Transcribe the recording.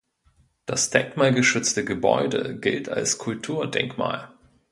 Das denkmalgeschützte Gebäude gilt als Kulturdenkmal.